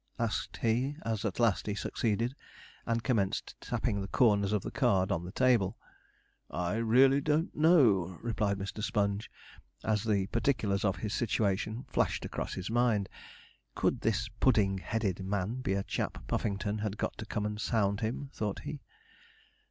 asked he, as at last he succeeded, and commenced tapping the corners of the card on the table. 'I really don't know,' replied Mr. Sponge, as the particulars of his situation flashed across his mind. Could this pudding headed man be a chap Puffington had got to come and sound him, thought he.